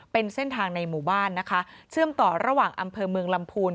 เป็นเส้นทางในหมู่บ้านนะคะเชื่อมต่อระหว่างอำเภอเมืองลำพูน